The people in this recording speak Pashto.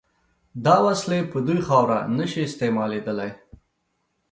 دا وسلې په دوی خاوره نشي استعمالېدای.